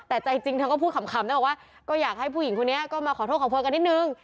แต่ใจจริงเธอก็พูดขำนะบอกว่าก็อยากให้ผู้หญิงคนนี้ก็มาขอโทษขอโพยกันนิดนึง